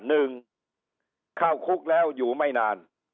๑เข้าคุกแล้วอยู่ไม่นาน